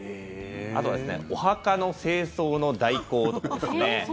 あとはお墓の清掃の代行とかですね